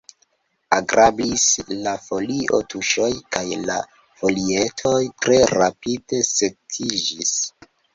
Agrablis la folio-tuŝoj kaj la folietoj tre rapide sekiĝis.